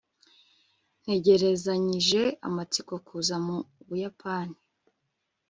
ntegerezanyije amatsiko kuza mu buyapani